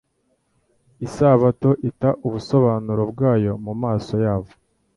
isabato ita ubusobanuro bwayo mu maso yabo,